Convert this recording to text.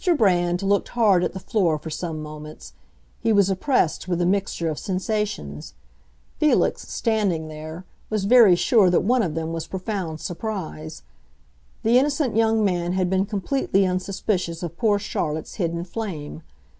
Brand looked hard at the floor for some moments; he was oppressed with a mixture of sensations. Felix, standing there, was very sure that one of them was profound surprise. The innocent young man had been completely unsuspicious of poor Charlotte's hidden flame.